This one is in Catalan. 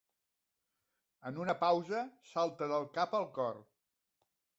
En una pausa, salta del cap al cor.